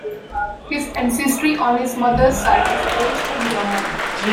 His ancestry on his mother's side is Irish and German.